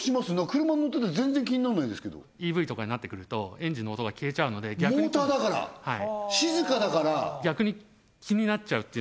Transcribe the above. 車に乗ってて全然気になんないですけどＥＶとかになってくるとエンジンの音が消えちゃうので逆にモーターだから静かだからえーっ！